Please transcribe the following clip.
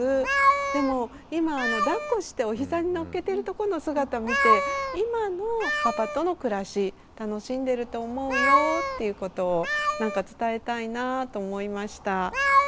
でも今だっこしておひざにのっけてるとこの姿見て今のパパとの暮らし楽しんでると思うよっていうことをなんか伝えたいなぁと思いました。